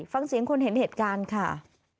ฟังเสียงคนเห็นเหตุการณ์ค่ะ